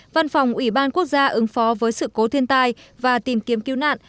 văn phòng ủy ban quốc gia ứng phó với sự cố thiên tai và tìm kiếm cứu nạn